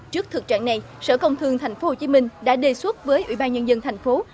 trước thực trạng này sở công thương tp hcm đã đề xuất với ủy ban nhân dân tp hcm